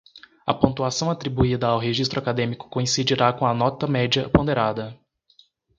A pontuação atribuída ao registro acadêmico coincidirá com a nota média ponderada.